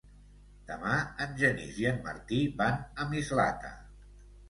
Demà en Genís i en Martí van a Mislata.